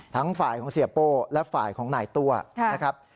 ทั้งฝ่ายของเสียโป้และฝ่ายของนายตัวนะครับ